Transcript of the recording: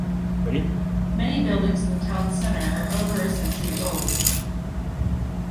Many buildings in the town centre are over a century old.